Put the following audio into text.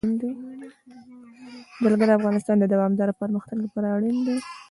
جلګه د افغانستان د دوامداره پرمختګ لپاره اړین دي.